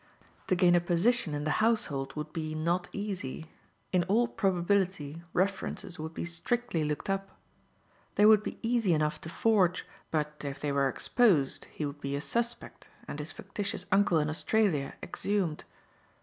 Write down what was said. To gain a position in the household would be not easy. In all probability references would be strictly looked up. They would be easy enough to forge, but if they were exposed he would be a suspect and his fictitious uncle in Australia exhumed.